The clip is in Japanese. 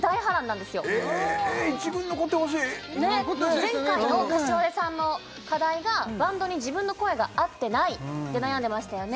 前回の膳さんの課題がバンドに自分の声が合ってないって悩んでましたよね